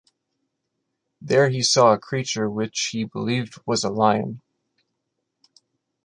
There he saw a creature which he believed was a lion.